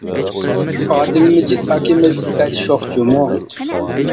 ئادىل مىجىت ئاكىمىز بەك شوخ جۇمۇ.